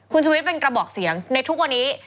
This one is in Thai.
คุณชุวิตเป็นกระบอกเสียงในทุกวันนี้